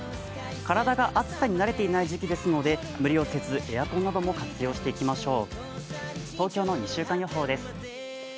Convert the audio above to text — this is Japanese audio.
体が暑さに慣れていない時期ですので、無理をせずエアコンなども活用していきましょう。